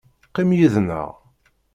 Qqim yid-nneɣ.